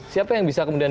siapa yang bisa kemudian